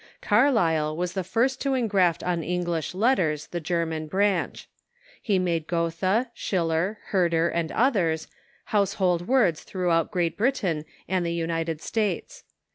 Carlyle was the first to engraft on English letters the German branch. He made Goethe, Schil ler, Herder, and others, household words throughout Great Britain and the United States.